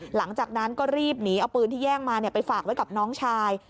หลังจากนั้นก็รีบหนีเอาปืนที่แย่งมาไปฝากไว้กับน้องชาย